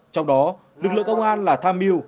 trong đó lực lượng công an là tham miu